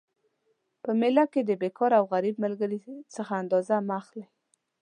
په میله کي د بیکاره او غریب ملګري څخه انداز مه اخلئ